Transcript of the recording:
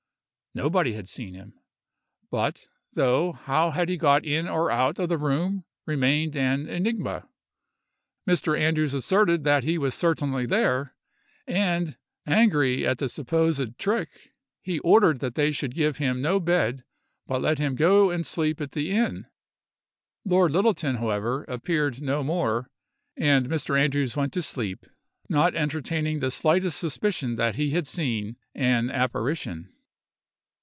Nobody had seen him; but, though how he had got in or out of the room remained an enigma, Mr. Andrews asserted that he was certainly there; and, angry at the supposed trick, he ordered that they should give him no bed, but let him go and sleep at the inn. Lord Littleton, however, appeared no more, and Mr. Andrews went to sleep, not entertaining the slightest suspicion that he had seen an apparition.